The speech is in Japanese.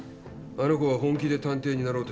あの子は本気で探偵になろうとしている。